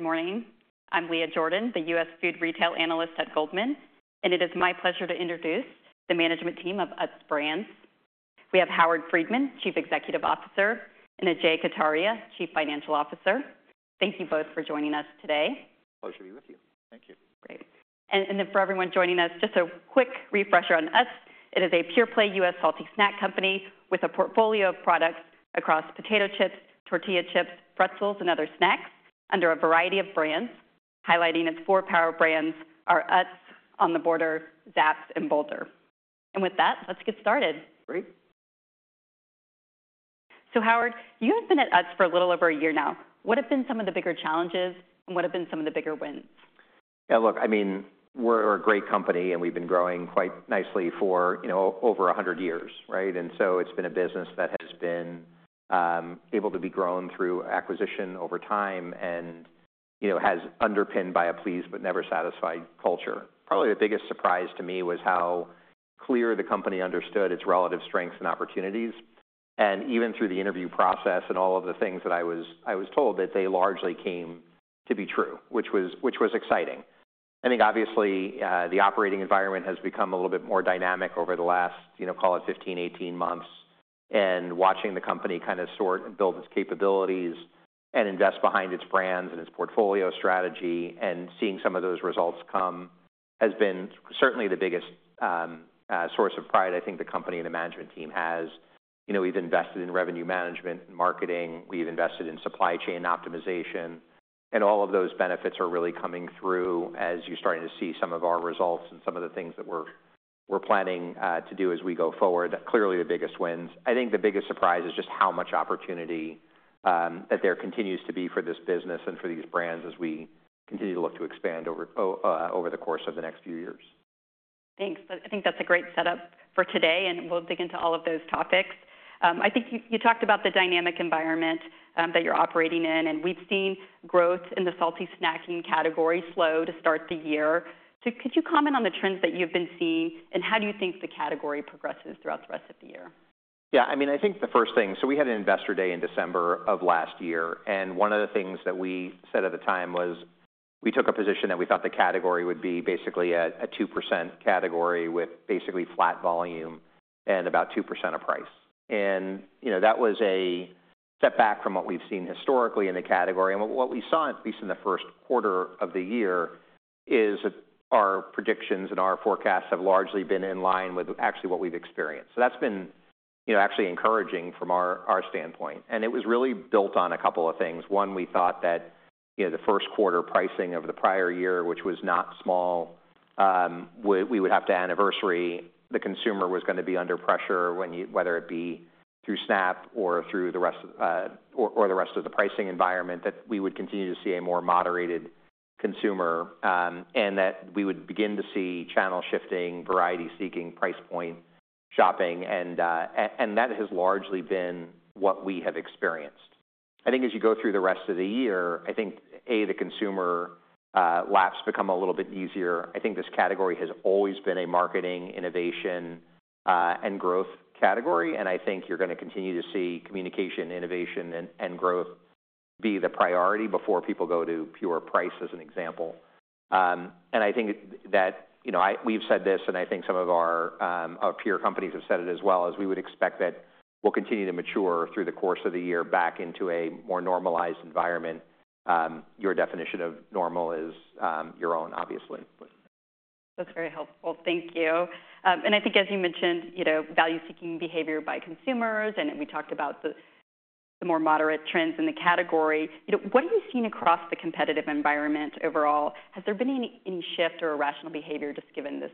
Good morning. I'm Leah Jordan, the U.S. Food Retail Analyst at Goldman Sachs Group... and it is my pleasure to introduce... the management team of Utz Brands. We have Howard Friedman, Chief Executive Officer... and Ajay Kataria, Chief Financial Officer. Thank you both for joining us today. Pleasure to be with you. Thank you. Great. And then, for everyone joining us, just a quick refresher on Utz... it is a pure play U.S. salty snack company... with a portfolio of products... across potato chips, tortilla chips, pretzels, and other snacks... under a variety of brands... highlighting its four power brands... our Utz, On The Border, Zapp's, and Boulder. With that, let's get started. Great. Howard, you have been at Utz for a little over a year now. What have been some of the bigger challenges, and what have been some of the bigger wins? Yeah, look, I mean, we're a great company, and we've been growing quite nicely for, you know, over 100 years, right? And so it's been a business that has been able to be grown through acquisition over time, and, you know, has underpinned by a pleased but never satisfied culture. Probably the biggest surprise to me was how clear the company understood its relative strengths and opportunities, and even through the interview process and all of the things that I was, I was told that they largely came to be true, which was, which was exciting. I think obviously the operating environment has become a little bit more dynamic over the last, you know, call it 15-18 months, and watching the company kind of sort and build its capabilities and invest behind its brands and its portfolio strategy and seeing some of those results come has been certainly the biggest source of pride. I think the company and the management team has, you know, we've invested in revenue management and marketing. We've invested in supply chain optimization, and all of those benefits are really coming through as you're starting to see some of our results and some of the things that we're planning to do as we go forward. Clearly the biggest wins. I think the biggest surprise is just how much opportunity that there continues to be for this business and for these brands as we continue to look to expand over the course of the next few years. Thanks, I think that's a great setup for today, and we'll dig into all of those topics. I think you talked about the dynamic environment that you're operating in, and we've seen growth in the salty snacking category slow to start the year, so could you comment on the trends that you've been seeing and how you think the category progresses throughout the rest of the year? Yeah, I mean, I think the first thing so we had an Investor Day in December of last year, and one of the things that we said at the time was we took a position that we thought the category would be basically a 2% category with basically flat volume and about 2% of price. And you know that was a step back from what we've seen historically in the category, and what we saw at least in the first quarter of the year is that our predictions and our forecasts have largely been in line with actually what we've experienced. So that's been you know actually encouraging from our our standpoint and it was really built on a couple of things, one we thought that you know the first quarter pricing of the prior year which was not small we would have to anniversary. The consumer was going to be under pressure when you whether it be through SNAP or through the rest of or the rest of the pricing environment that we would continue to see a more moderated consumer and that we would begin to see channel shifting variety seeking price point shopping and and that has largely been what we have experienced. I think as you go through the rest of the year I think as the consumer laps become a little bit easier. I think this category has always been a marketing innovation and growth category and I think you're going to continue to see communication innovation and and growth be the priority before people go to pure price as an example. And I think that you know I've said this and I think some of our. Our peer companies have said it as well is we would expect that... we'll continue to mature through the course of the year back into a more normalized environment... your definition of normal is... your own obviously. That's very helpful, thank you. I think as you mentioned, you know, value-seeking behavior by consumers, and we talked about the... the more moderate trends in the category... you know, what have you seen across the competitive environment overall... has there been any... any shift or irrational behavior just given this...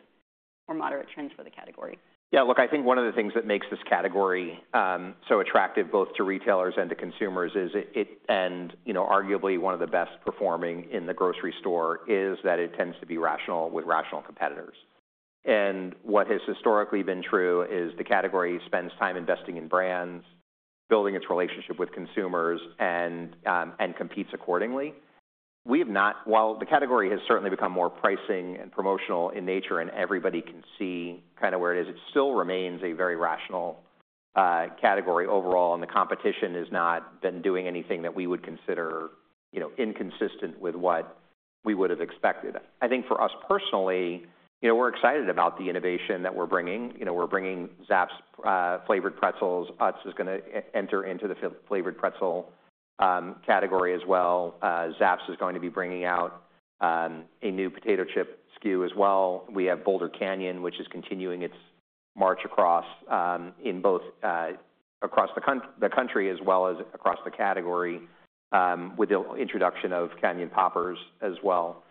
more moderate trends for the category? Yeah, look, I think one of the things that makes this category so attractive both to retailers and to consumers is it and, you know, arguably one of the best performing in the grocery store is that it tends to be rational with rational competitors. What has historically been true is the category spends time investing in brands building its relationship with consumers and competes accordingly. We have not, while the category has certainly become more pricing and promotional in nature and everybody can see kind of where it is, it still remains a very rational category overall, and the competition has not been doing anything that we would consider, you know, inconsistent with what we would have expected. I think for us personally, you know, we're excited about the innovation that we're bringing, you know, we're bringing Zapp's flavored pretzels. Utz is going to enter into the flavored pretzel category as well. Zapp's is going to be bringing out a new potato chip SKU as well. We have Boulder Canyon, which is continuing its march across the country as well as across the category with the introduction of Canyon Poppers as well.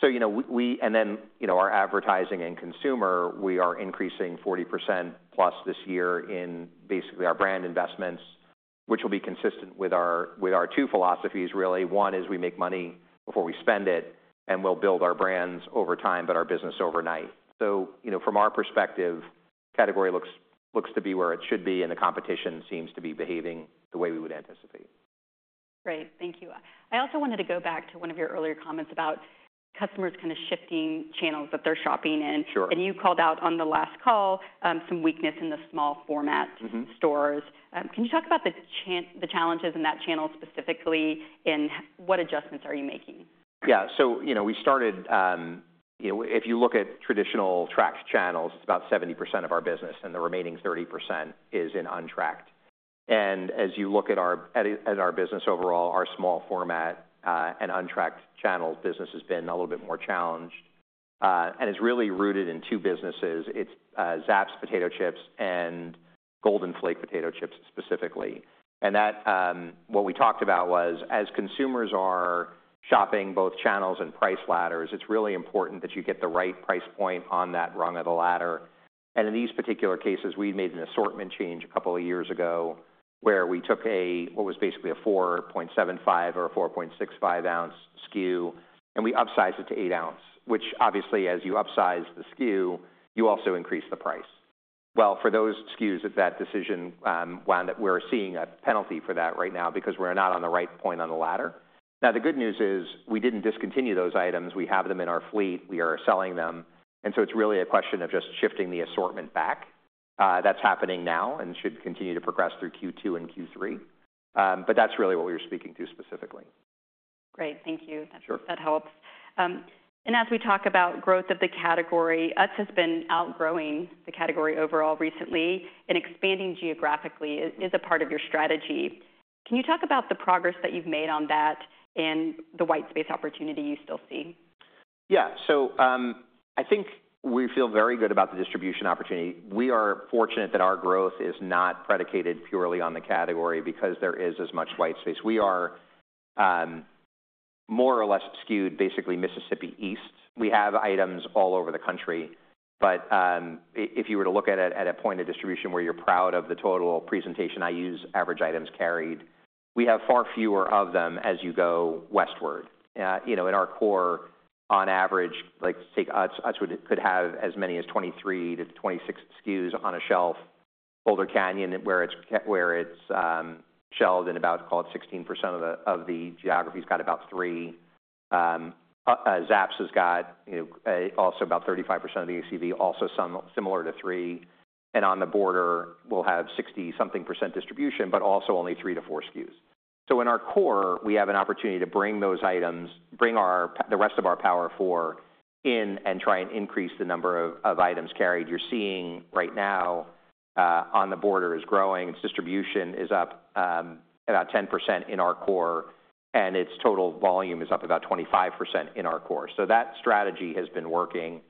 So you know we and then you know our advertising and consumer we are increasing 40%+ this year in basically our brand investments, which will be consistent with our two philosophies, really. One is we make money before we spend it and we'll build our brands over time but our business overnight. So you know from our perspective the category looks to be where it should be and the competition seems to be behaving the way we would anticipate. Great, thank you. I also wanted to go back to one of your earlier comments about... customers kind of shifting channels that they're shopping in... Sure. You called out on the last call... some weakness in the small format... Mm-hmm. Stores. Can you talk about the challenges in that channel specifically... and what adjustments are you making? Yeah, so you know we started... you know, if you look at traditional tracked channels, it's about 70% of our business and the remaining 30% is in untracked. And as you look at our business overall, our small format and untracked channel business has been a little bit more challenged... and it's really rooted in two businesses... it's Zapp's potato chips and Golden Flake potato chips specifically. And that... what we talked about was as consumers are shopping both channels and price ladders, it's really important that you get the right price point on that rung of the ladder. And in these particular cases we'd made an assortment change a couple of years ago... where we took what was basically a 4.75- or 4.65-ounce SKU... and we upsized it to 8-ounce which obviously as you upsize the SKU, you also increase the price. Well for those SKUs that decision wound up we're seeing a penalty for that right now because we're not on the right point on the ladder. Now the good news is we didn't discontinue those items we have them in our fleet we are selling them, and so it's really a question of just shifting the assortment back. That's happening now and should continue to progress through Q2 and Q3, but that's really what we were speaking to specifically. Great thank you. Sure. That helps. As we talk about growth of the category... Utz has been outgrowing the category overall recently... and expanding geographically is a part of your strategy. Can you talk about the progress that you've made on that... and the white space opportunity you still see? Yeah, so I think we feel very good about the distribution opportunity. We are fortunate that our growth is not predicated purely on the category because there is as much white space. We are more or less skewed basically Mississippi East. We have items all over the country, but if you were to look at it at a point of distribution where you're proud of the total presentation I use average items carried, we have far fewer of them as you go westward. You know in our core on average like take Utz, Utz would have as many as 23-26 SKUs on a shelf. Boulder Canyon where it's shelved in about call it 16% of the geography's got about 3. Zapp's has got you know also about 35% of the ACV also some similar to 3. On The Border we'll have 60-something% distribution but also only 3-4 SKUs. So in our core we have an opportunity to bring those items... bring out the rest of our portfolio... in and try and increase the number of... of items carried. You're seeing right now... On The Border is growing its distribution is up... about 10% in our core... and its total volume is up about 25% in our core. So that strategy has been working.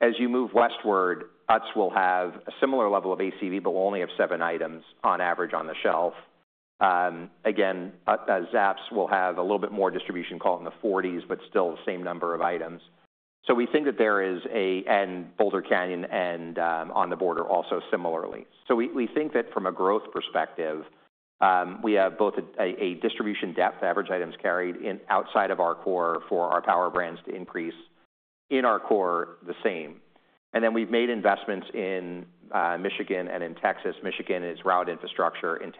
As you move westward Utz will have a similar level of ACV but will only have 7 items on average on the shelf. Again Zapp's will have a little bit more distribution call it in the 40s but still the same number of items. So we think that there is a and Boulder Canyon and On The Border also similarly. So we think that from a growth perspective, we have both a distribution depth, average items carried in outside of our core, for our power brands to increase in our core the same. And then we've made investments in Michigan and in Texas. Michigan is route infrastructure. In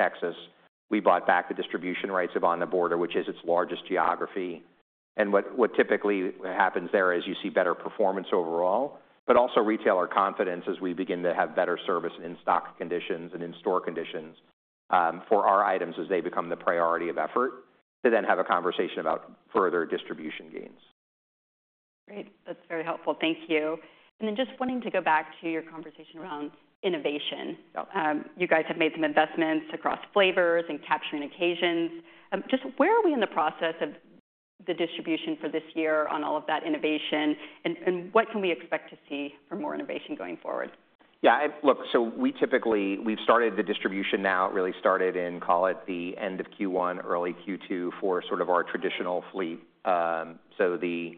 Texas we bought back the distribution rights of On The Border, which is its largest geography. And what typically happens there is you see better performance overall, but also retailer confidence as we begin to have better service and in-stock conditions and in-store conditions for our items as they become the priority of effort to then have a conversation about further distribution gains. Great, that's very helpful. Thank you. And then just wanting to go back to your conversation around... innovation. Yep. You guys have made some investments across flavors and capturing occasions. Just where are we in the process of the distribution for this year on all of that innovation, and what can we expect to see for more innovation going forward? Yeah, look, so we've started the distribution now. It really started in, call it, the end of Q1, early Q2 for sort of our traditional fleet... so the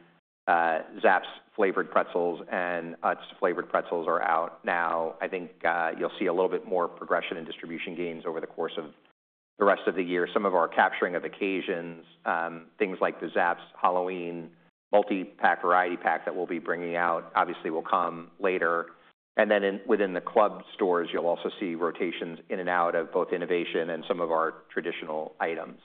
Zapp's flavored pretzels and Utz flavored pretzels are out now. I think you'll see a little bit more progression in distribution gains over the course of the rest of the year, some of our capturing of occasions... things like the Zapp's Halloween multi-pack variety pack that we'll be bringing out obviously will come later... and then within the club stores you'll also see rotations in and out of both innovation and some of our traditional items.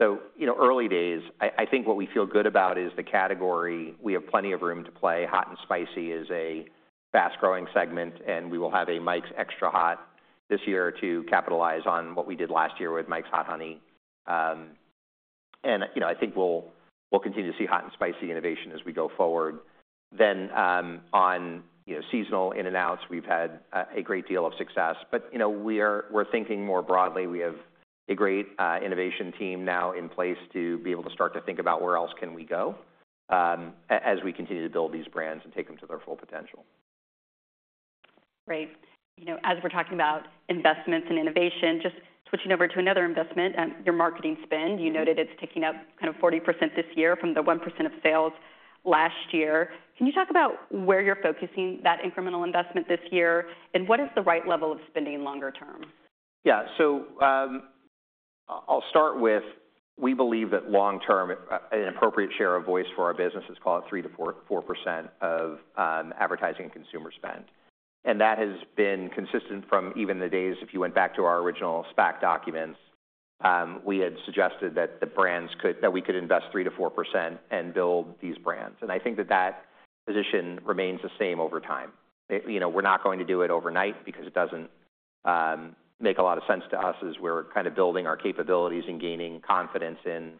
So you know early days. I think what we feel good about is the category. We have plenty of room to play. Hot and spicy is a fast growing segment and we will have a Mike's Extra Hot... This year to capitalize on what we did last year with Mike's Hot Honey, and you know I think we'll continue to see hot and spicy innovation as we go forward. Then on you know seasonal ins and outs we've had a great deal of success, but you know we're thinking more broadly. We have a great innovation team now in place to be able to start to think about where else can we go as we continue to build these brands and take them to their full potential. Great. You know as we're talking about investments and innovation just switching over to another investment... your marketing spend you noted it's ticking up kind of 40% this year from the 1% of sales last year... can you talk about where you're focusing that incremental investment this year... and what is the right level of spending longer term? Yeah, so I'll start with... we believe that long-term an appropriate share of voice for our business is call it 3%-4.4% of... advertising and consumer spend. And that has been consistent from even the days if you went back to our original SPAC documents... we had suggested that the brands could that we could invest 3%-4% and build these brands. And I think that that... position remains the same over time. You know we're not going to do it overnight because it doesn't... make a lot of sense to us as we're kind of building our capabilities and gaining confidence in...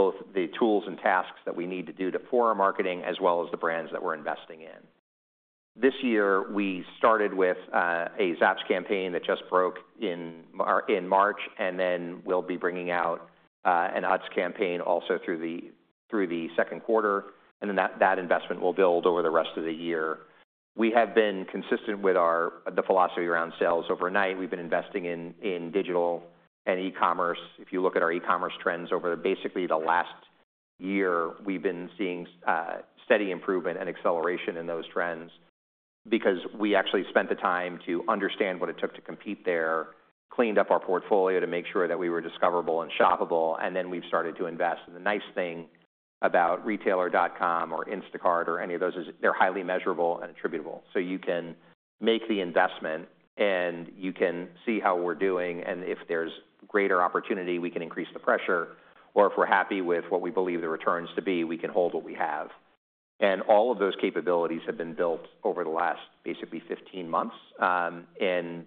both the tools and tasks that we need to do to form marketing as well as the brands that we're investing in. This year we started with... a Zapp's campaign that just broke in... or in March and then we'll be bringing out an Utz campaign also through the second quarter and then that investment will build over the rest of the year. We have been consistent with our philosophy around sales. Overnight we've been investing in digital and e-commerce. If you look at our e-commerce trends over basically the last year we've been seeing steady improvement and acceleration in those trends because we actually spent the time to understand what it took to compete there, cleaned up our portfolio to make sure that we were discoverable and shoppable and then we've started to invest and the nice thing about retailer.com or Instacart or any of those is they're highly measurable and attributable so you can make the investment and you can see how we're doing and if there's greater opportunity we can increase the pressure. Or if we're happy with what we believe the returns to be we can hold what we have. All of those capabilities have been built over the last basically 15 months... and...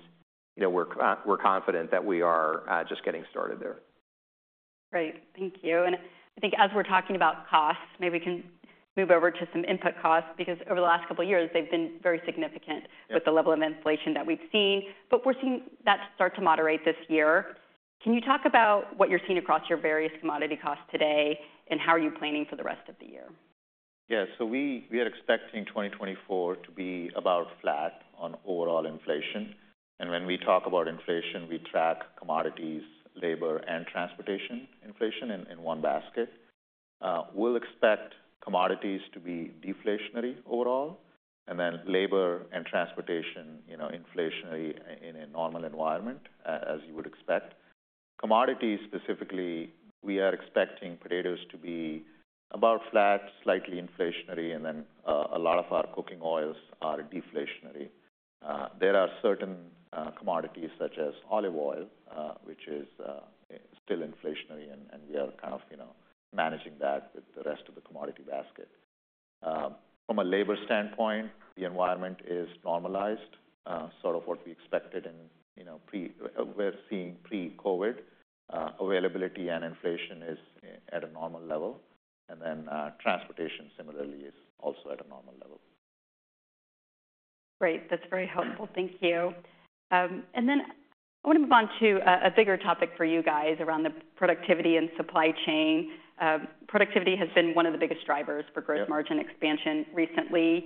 you know we're... we're confident that we are... just getting started there. Great, thank you, and I think as we're talking about costs, maybe we can... move over to some input costs because over the last couple of years they've been very significant. Yeah. With the level of inflation that we've seen, but we're seeing that start to moderate this year. Can you talk about what you're seeing across your various commodity costs today, and how are you planning for the rest of the year? Yeah, so we are expecting 2024 to be about flat on overall inflation, and when we talk about inflation we track commodities, labor, and transportation inflation in one basket. We'll expect commodities to be deflationary overall, and then labor and transportation, you know, inflationary in a normal environment as you would expect. Commodities specifically, we are expecting potatoes to be about flat, slightly inflationary, and then a lot of our cooking oils are deflationary. There are certain commodities such as olive oil which is still inflationary, and we are kind of, you know, managing that with the rest of the commodity basket. From a labor standpoint, the environment is normalized, sort of what we expected in, you know, pre- we're seeing pre-COVID availability and inflation is at a normal level, and then transportation similarly is also at a normal level. Great. That's very helpful. Thank you. Then I want to move on to a bigger topic for you guys around the productivity and supply chain. Productivity has been one of the biggest drivers for gross margin expansion recently.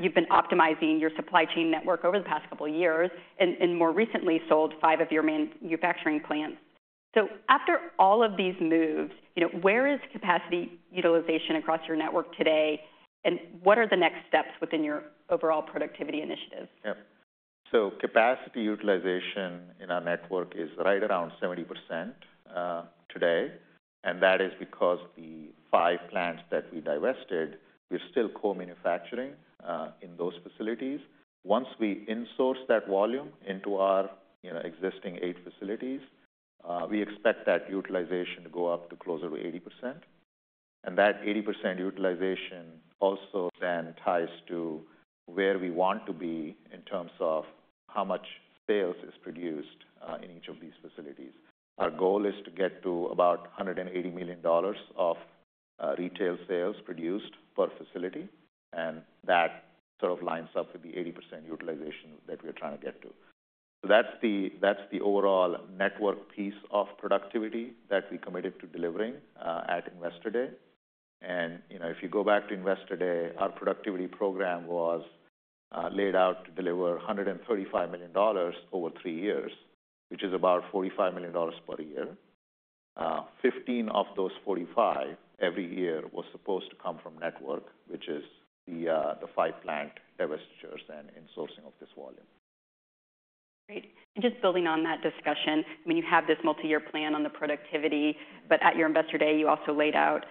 You've been optimizing your supply chain network over the past couple of years, and more recently sold five of your manufacturing plants. So after all of these moves, you know, where is capacity utilization across your network today, and what are the next steps within your overall productivity initiatives? Yep. So capacity utilization in our network is right around 70% today and that is because the 5 plants that we divested we're still co-manufacturing in those facilities. Once we insource that volume into our you know existing 8 facilities we expect that utilization to go up to closer to 80% and that 80% utilization also then ties to where we want to be in terms of how much sales is produced in each of these facilities. Our goal is to get to about $180 million of retail sales produced per facility and that sort of lines up with the 80% utilization that we are trying to get to. So that's the that's the overall network piece of productivity that we committed to delivering at Investor Day. And you know if you go back to Investor Day our productivity program was... laid out to deliver $135 million over 3 years... which is about $45 million per year... 15 of those 45 every year was supposed to come from network which is... the 5 plant divestitures and insourcing of this volume. Great. Just building on that discussion, I mean you have this multi-year plan on the productivity, but at your Investor Day you also laid out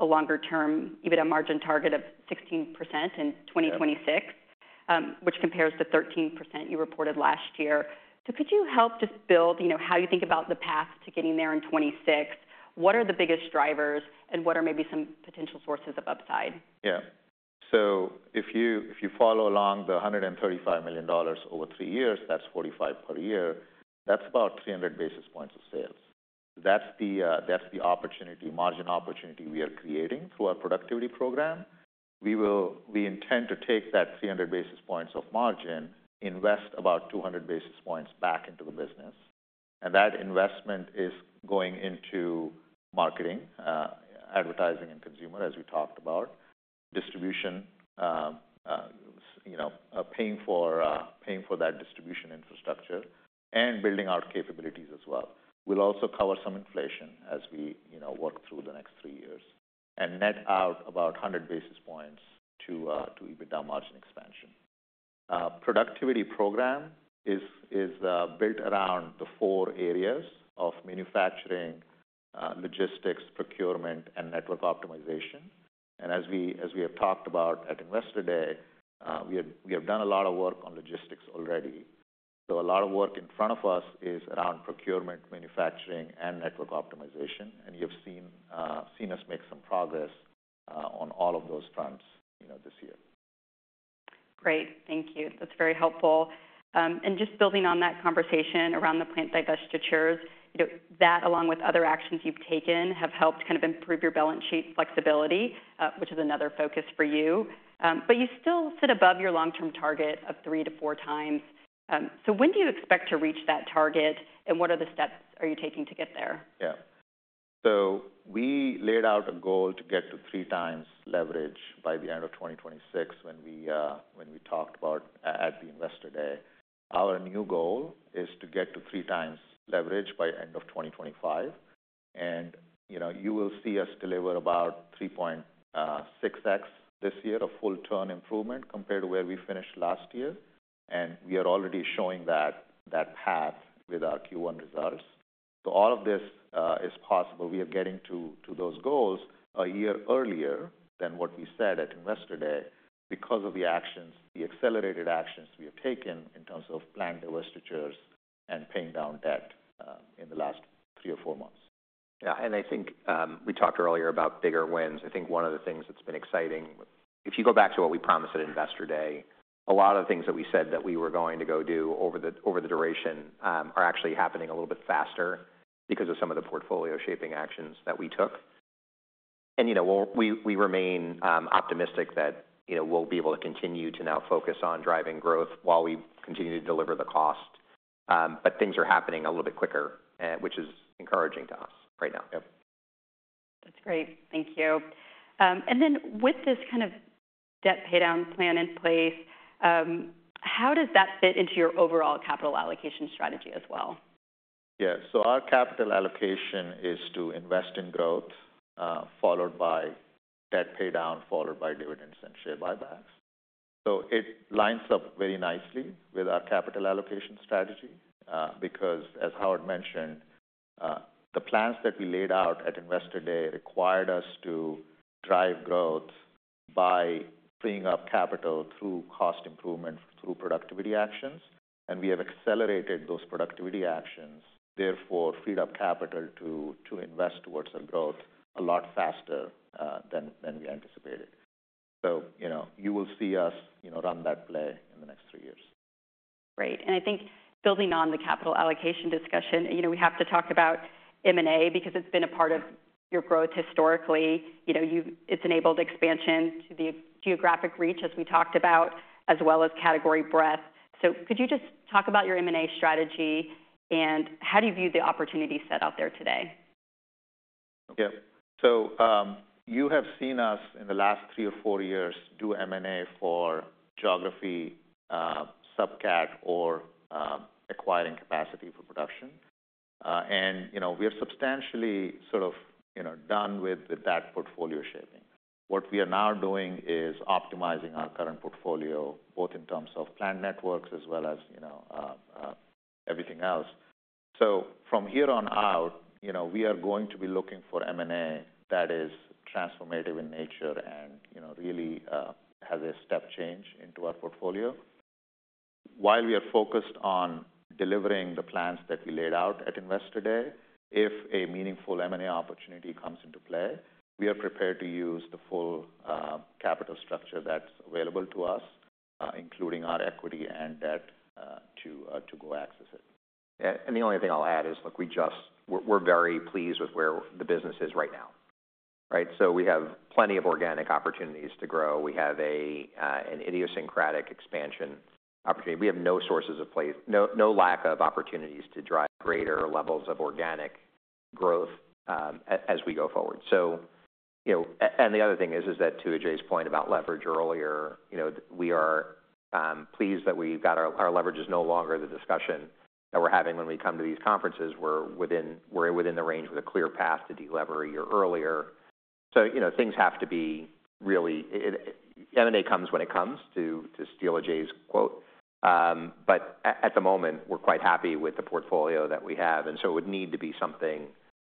a longer term even a margin target of 16% in 2026, which compares to 13% you reported last year. So could you help just build, you know, how you think about the path to getting there in 2026, what are the biggest drivers and what are maybe some potential sources of upside? Yeah. So if you follow along the $135 million over three years, that's 45 per year... that's about 300 basis points of sales. That's the... that's the opportunity margin opportunity we are creating through our productivity program. We intend to take that 300 basis points of margin, invest about 200 basis points back into the business... and that investment is going into... marketing... advertising and consumer as we talked about... distribution... you know, paying for... paying for that distribution infrastructure... and building out capabilities as well. We'll also cover some inflation as we, you know, work through the next three years... and net out about 100 basis points to... to EBITDA margin expansion. Productivity program is... is built around the four areas of manufacturing... logistics, procurement and network optimization... and as we have talked about at Investor Day... We have done a lot of work on logistics already. So a lot of work in front of us is around procurement, manufacturing, and network optimization, and you have seen us make some progress on all of those fronts, you know, this year. Great, thank you. That's very helpful. And just building on that conversation around the plant divestitures... you know, that along with other actions you've taken have helped kind of improve your balance sheet flexibility... which is another focus for you... but you still sit above your long term target of 3-4 times... so when do you expect to reach that target and what are the steps are you taking to get there? Yeah. So we laid out a goal to get to three times leverage by the end of 2026 when we talked about at the Investor Day. Our new goal is to get to three times leverage by end of 2025, and you know you will see us deliver about 3.6x this year of full turn improvement compared to where we finished last year, and we are already showing that path with our Q1 results. So all of this is possible. We are getting to those goals a year earlier than what we said at Investor Day because of the accelerated actions we have taken in terms of plant divestitures and paying down debt in the last three or four months. Yeah, and I think we talked earlier about bigger wins. I think one of the things that's been exciting if you go back to what we promised at Investor Day a lot of the things that we said that we were going to go do over the duration are actually happening a little bit faster because of some of the portfolio shaping actions that we took. And you know we'll remain optimistic that you know we'll be able to continue to now focus on driving growth while we continue to deliver the cost but things are happening a little bit quicker which is encouraging to us right now. Yep. That's great. Thank you. And then with this kind of... debt paydown plan in place... how does that fit into your overall capital allocation strategy as well? Yeah, so our capital allocation is to invest in growth, followed by debt paydown, followed by dividends and share buybacks. So it lines up very nicely with our capital allocation strategy, because as Howard mentioned, the plans that we laid out at Investor Day required us to drive growth by freeing up capital through cost improvement through productivity actions, and we have accelerated those productivity actions therefore freed up capital to invest towards our growth a lot faster than we anticipated. So you know you will see us you know run that play in the next three years. Great, and I think, building on the capital allocation discussion, you know, we have to talk about M&A because it's been a part of your growth historically. You know, it's enabled expansion to the geographic reach as we talked about as well as category breadth. So, could you just talk about your M&A strategy and how do you view the opportunity set out there today? Yep. So you have seen us in the last three or four years do M&A for geography, subcat or acquiring capacity for production, and you know we are substantially sort of you know done with that portfolio shaping. What we are now doing is optimizing our current portfolio both in terms of plant networks as well as you know everything else. So from here on out you know we are going to be looking for M&A that is transformative in nature and you know really has a step change into our portfolio. While we are focused on delivering the plans that we laid out at Investor Day, if a meaningful M&A opportunity comes into play we are prepared to use the full capital structure that's available to us, including our equity and debt, to go access it. Yeah, and the only thing I'll add is, look, we're very pleased with where the business is right now. Right, so we have plenty of organic opportunities to grow. We have an idiosyncratic expansion opportunity. We have no shortage of places, no lack of opportunities to drive greater levels of organic growth as we go forward. So, you know, and the other thing is that, to Ajay's point about leverage earlier, you know, we are pleased that we've got our leverage. It is no longer the discussion that we're having when we come to these conferences. We're within the range with a clear path to deleverage a year earlier. So, you know, things have to be really it. M&A comes when it comes to steal Ajay's quote. But at... At the moment, we're quite happy with the portfolio that we have, and so it would need to be something...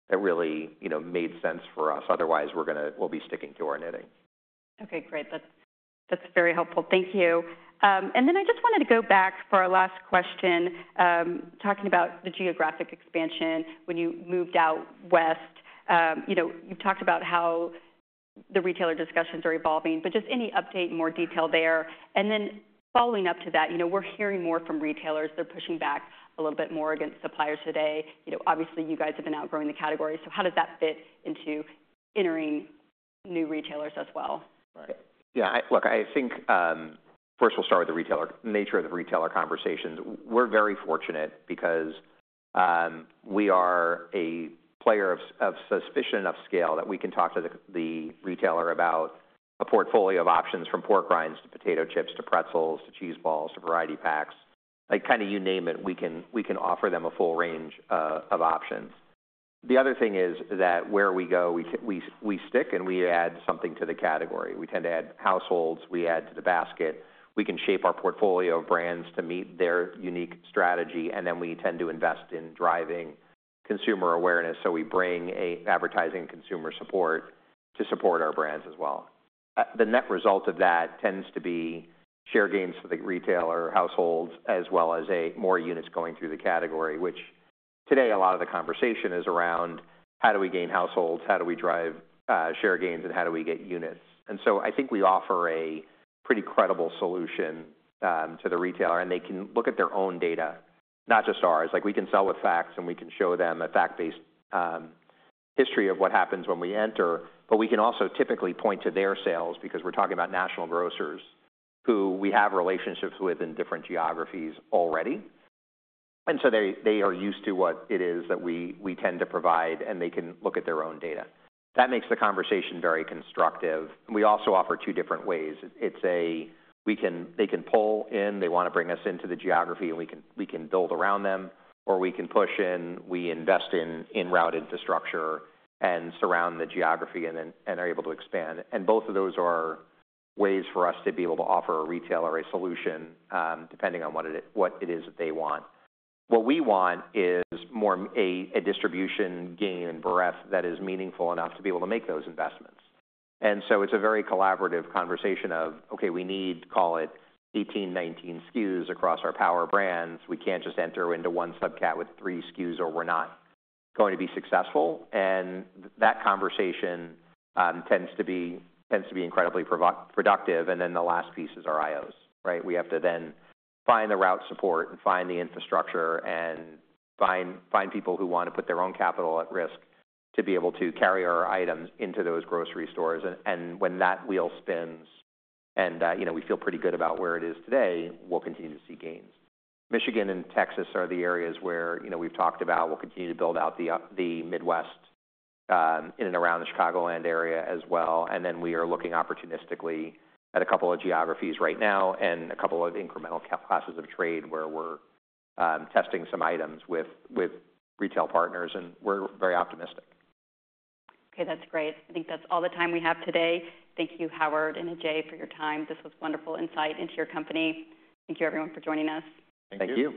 that really, you know, made sense for us. Otherwise, we'll be sticking to our knitting. Okay, great. That's... that's very helpful. Thank you. Then I just wanted to go back for our last question... talking about the geographic expansion when you moved out west... you know, you've talked about how... the retailer discussions are evolving, but just any update in more detail there... and then following up to that, you know, we're hearing more from retailers. They're pushing back... a little bit more against suppliers today. You know, obviously you guys have been outgrowing the category, so how does that fit into... entering... new retailers as well? Right. Yeah, look, I think first we'll start with the nature of the retailer conversations. We're very fortunate because we are a player of sufficient enough scale that we can talk to the retailer about a portfolio of options from pork rinds to potato chips to pretzels to cheese balls to variety packs, like kind of you name it. We can offer them a full range of options. The other thing is that where we go we tend to stick and we add something to the category. We tend to add households. We add to the basket. We can shape our portfolio of brands to meet their unique strategy and then we tend to invest in driving consumer awareness so we bring an advertising consumer support to support our brands as well. The net result of that tends to be share gains for the retailer, households, as well as more units going through the category, which... today a lot of the conversation is around how do we gain households, how do we drive... share gains, and how do we get units. And so I think we offer a... pretty credible solution... to the retailer, and they can look at their own data... not just ours, like we can sell with facts, and we can show them a fact-based... history of what happens when we enter, but we can also typically point to their sales because we're talking about national grocers... who we have relationships with in different geographies already... and so they they are used to what it is that we... we tend to provide, and they can look at their own data. That makes the conversation very constructive, and we also offer two different ways. It's a... We can. They can pull in. They want to bring us into the geography, and we can build around them, or we can push in. We invest in route infrastructure and surround the geography, and then are able to expand, and both of those are ways for us to be able to offer a retailer a solution depending on what it is that they want. What we want is more of a distribution gain and breadth that is meaningful enough to be able to make those investments. And so it's a very collaborative conversation of, okay, we need, call it 18-19 SKUs across our power brands. We can't just enter into one subcat with 3 SKUs or we're not going to be successful, and that conversation tends to be incredibly productive, and then the last piece is our IOs. Right, we have to then find the route support and find the infrastructure and find people who want to put their own capital at risk to be able to carry our items into those grocery stores and when that wheel spins and you know we feel pretty good about where it is today. We'll continue to see gains. Michigan and Texas are the areas where you know we've talked about. We'll continue to build out the Midwest in and around the Chicagoland area as well, and then we are looking opportunistically at a couple of geographies right now and a couple of incremental classes of trade where we're testing some items with retail partners, and we're very optimistic. Okay, that's great. I think that's all the time we have today. Thank you, Howard and Ajay, for your time. This was wonderful insight into your company. Thank you, everyone, for joining us. Thank you. Thank you.